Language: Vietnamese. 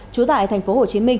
trú tại tp hcm